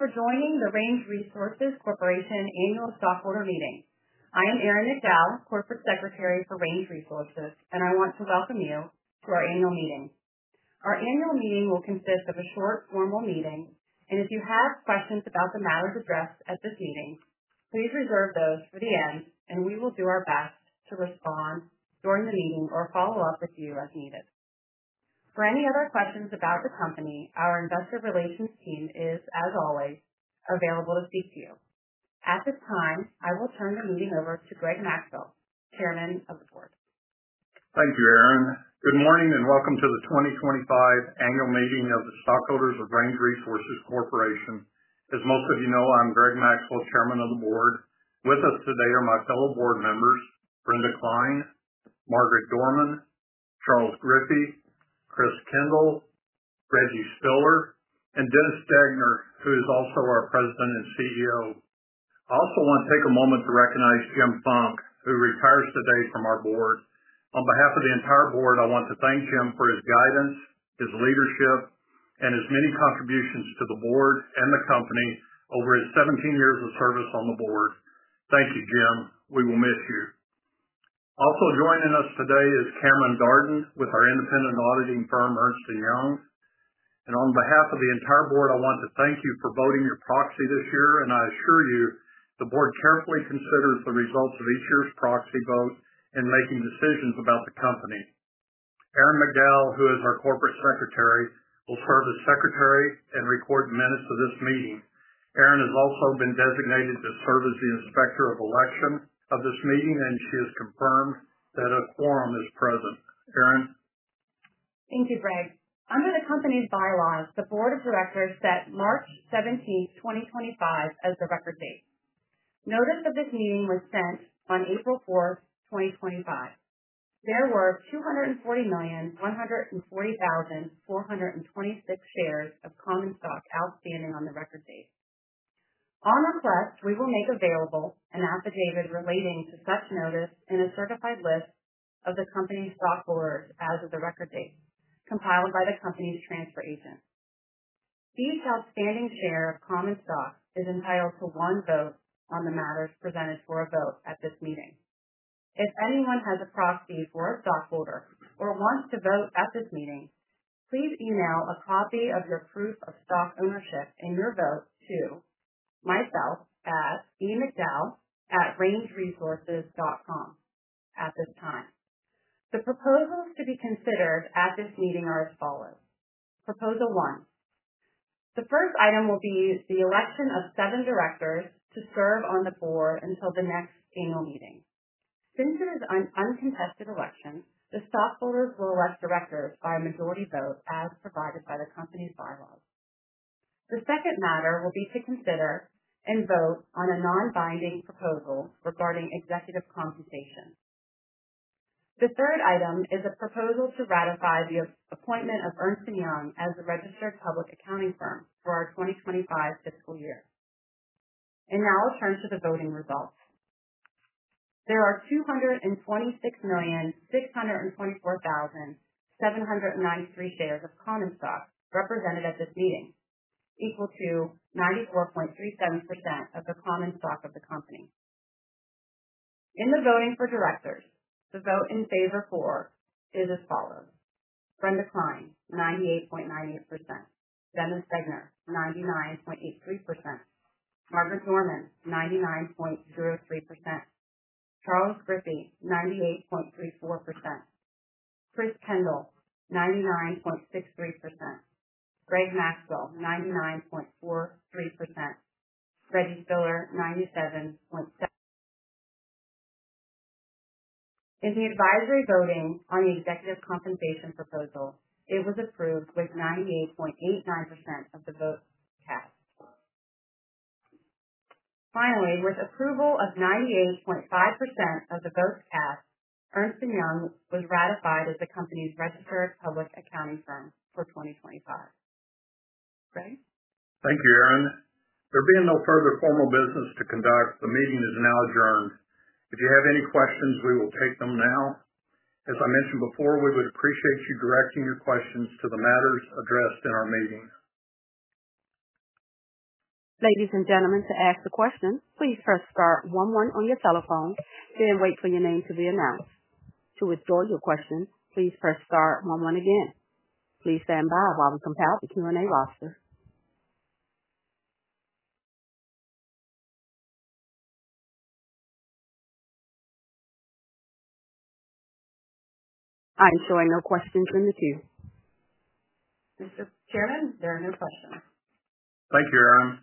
Thank you for joining the Range Resources Corporation annual stockholder meeting. I am Erin McDowell, Corporate Secretary for Range Resources, and I want to welcome you to our annual meeting. Our annual meeting will consist of a short formal meeting, and if you have questions about the matters addressed at this meeting, please reserve those for the end, and we will do our best to respond during the meeting or follow up with you as needed. For any other questions about the company, our investor relations team is, as always, available to speak to you. At this time, I will turn the meeting over to Greg Maxwell, Chairman of the Board. Thank you, Erin. Good morning and welcome to the 2025 annual meeting of the stockholders of Range Resources Corporation. As most of you know, I'm Greg Maxwell, Chairman of the Board. With us today are my fellow board members: Brenda Cline, Margaret Dorman, Charles Griffie, Chris Kendall, Reggie Spiller, and Dennis Degner, who is also our President and CEO. I also want to take a moment to recognize Jim Funk, who retires today from our board. On behalf of the entire board, I want to thank Jim for his guidance, his leadership, and his many contributions to the board and the company over his 17 years of service on the board. Thank you, Jim. We will miss you. Also joining us today is Cameron Darden with our independent auditing firm, Ernst & Young. On behalf of the entire board, I want to thank you for voting your proxy this year, and I assure you the board carefully considers the results of each year's proxy vote in making decisions about the company. Erin McDowell, who is our Corporate Secretary, will serve as Secretary and record minutes of this meeting. Erin has also been designated to serve as the Inspector of Election of this meeting, and she has confirmed that a quorum is present. Erin? Thank you, Greg. Under the company's bylaws, the Board of Directors set March 17, 2025, as the record date. Notice of this meeting was sent on April 4, 2025. There were 240,140,426 shares of common stock outstanding on the record date. On request, we will make available an affidavit relating to such notice and a certified list of the company's stockholders as of the record date, compiled by the company's transfer agent. Each outstanding share of common stock is entitled to one vote on the matters presented for a vote at this meeting. If anyone has a proxy for a stockholder or wants to vote at this meeting, please email a copy of your proof of stock ownership and your vote to myself at bmcdowell@rangeresources.com at this time. The proposals to be considered at this meeting are as follows. Proposal 1: The first item will be the election of seven directors to serve on the board until the next annual meeting. Since it is an uncontested election, the stockholders will elect directors by a majority vote as provided by the company's bylaws. The second matter will be to consider and vote on a non-binding proposal regarding executive compensation. The third item is a proposal to ratify the appointment of Ernst & Young as the registered public accounting firm for our 2025 fiscal year. Now I'll turn to the voting results. There are 226,624,793 shares of common stock represented at this meeting, equal to 94.37% of the common stock of the company. In the voting for directors, the vote in favor for is as follows: Brenda Cline, 98.98%; Dennis Degner, 99.83%; Margaret Dorman, 99.03%; Charles Griffie, 98.34%; Chris Kendall, 99.63%; Greg Maxwell, 99.43%; Reggie Spiller, 97.7%. In the advisory voting on the executive compensation proposal, it was approved with 98.89% of the votes cast. Finally, with approval of 98.5% of the votes cast, Ernst & Young was ratified as the company's registered public accounting firm for 2025. Greg? Thank you, Erin. There being no further formal business to conduct, the meeting is now adjourned. If you have any questions, we will take them now. As I mentioned before, we would appreciate you directing your questions to the matters addressed in our meeting. Ladies and gentlemen, to ask a question, please press star one one on your telephone, then wait for your name to be announced. To withdraw your question, please press star one one again. Please stand by while we compile the Q&A roster. I am showing no questions in the queue. Mr. Chairman, there are no questions. Thank you, Erin.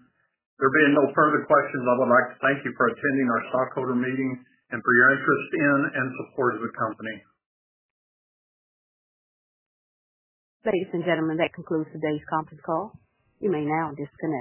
There being no further questions, I would like to thank you for attending our stockholder meeting and for your interest in and support of the company. Ladies and gentlemen, that concludes today's conference call. You may now disconnect.